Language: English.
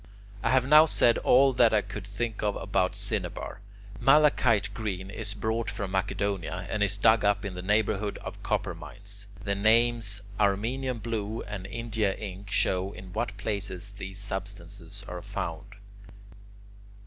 I have now said all that I could think of about cinnabar. Malachite green is brought from Macedonia, and is dug up in the neighbourhood of copper mines. The names Armenian blue and India ink show in what places these substances are found.